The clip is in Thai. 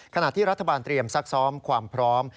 ขณะที่รัฐบาลเตรียมซักซ้อมความพร้อม